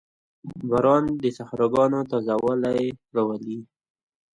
• باران د صحراګانو تازهوالی راولي.